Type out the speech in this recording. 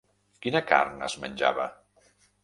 Quina carn es menjava?